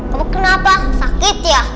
kamu kenapa sakit ya